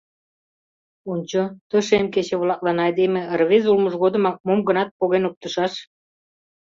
— Ончо, ты шем кече-влаклан айдеме рвезе улмыж годымак мом-гынат поген оптышаш.